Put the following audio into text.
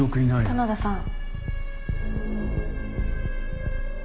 棚田さん。